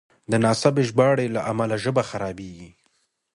د ناسمې ژباړې له امله ژبه خرابېږي.